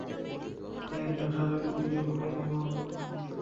সে একজন সাবেক মন্ত্রী বলেই এমন ঔদ্ধত্য।